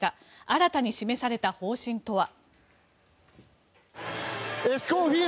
新たに示された方針とは。